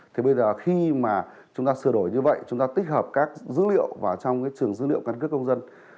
thì bây giờ khi mà chúng ta sửa đổi như vậy chúng ta tích hợp các dữ liệu vào trong trường dữ liệu căng cấp công dân